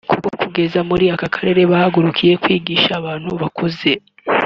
kuko kugeza muri aka karere bahagurukiye kwigisha abantu bakuze